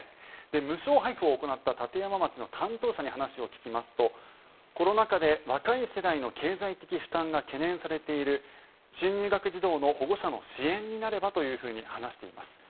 無償配布を行った立山町の担当者に話を聞きますとコロナ禍で若い世代の経済的負担が懸念されている新入学児童の保護者の支援になればと話しています。